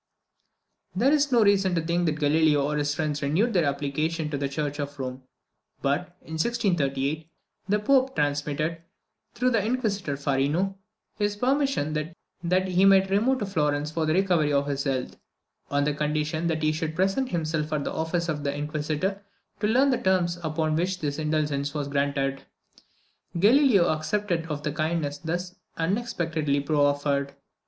There is no reason to think that Galileo or his friends renewed their application to the Church of Rome; but, in 1638, the Pope transmitted, through the Inquisitor Fariano, his permission that he might remove to Florence for the recovery of his health, on the condition that he should present himself at the office of the Inquisitor to learn the terms upon which this indulgence was granted. Galileo accepted of the kindness thus unexpectedly proffered.